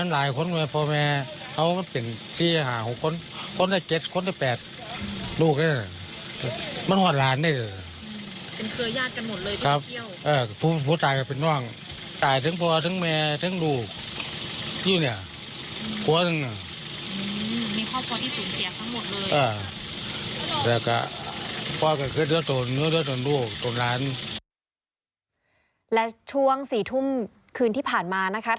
และช่วง๔ทุ่มคืนที่ผ่านมานะครับ